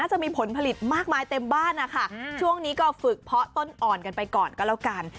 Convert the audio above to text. จะมีผลผลิตมากมายเต็มบ้านนะคะช่วงนี้ก็ฝึกเพาะต้นอ่อนกันไปก่อนก็แล้วกัน